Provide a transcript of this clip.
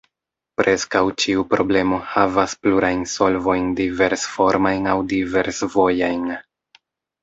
Preskaŭ ĉiu problemo havas plurajn solvojn diversformajn aŭ diversvojajn.